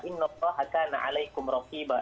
inna allaha akana alaikum raqiba